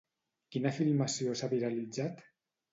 Quina filmació s'ha viralitzat?